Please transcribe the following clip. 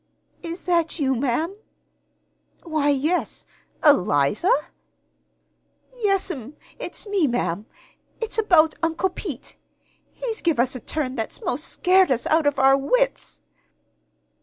"Is that you, ma'am?" "Why, yes, Eliza?" "Yes'm, it's me, ma'am. It's about Uncle Pete. He's give us a turn that's 'most scared us out of our wits."